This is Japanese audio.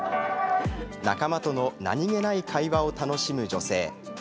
仲間との何気ない会話を楽しむ女性。